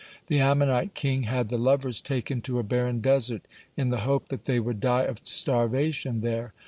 The Ammonite king had the lovers taken to a barren desert, in the hope that they would die of starvation there.